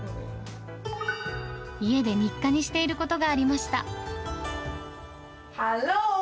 家で日課にしていることがありました。